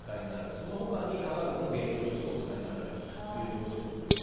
そのほかに化学の原料としてお使いになられてるということでございます。